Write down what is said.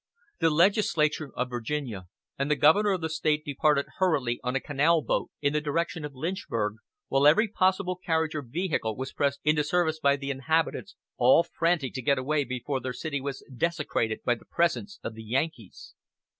The legislature of Virginia and the governor of the State departed hurriedly on a canal boat in the direction of Lynchburg, while every possible carriage or vehicle was pressed into service by the inhabitants, all frantic to get away before their city was "desecrated" by the presence of the Yankees.